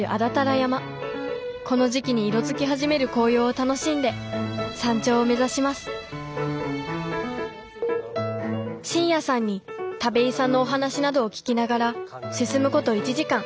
この時期に色づき始める紅葉を楽しんで山頂を目指します進也さんに田部井さんのお話などを聞きながら進むこと１時間。